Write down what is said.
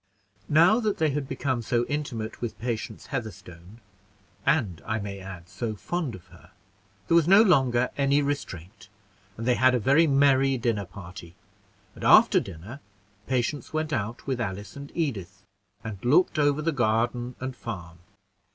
Now that they had become so intimate with Patience Heatherstone and, I may add, so fond of her there was no longer any restraint, and they had a very merry dinner party; and after dinner, Patience went out with Alice and Edith, and looked over the garden and farm.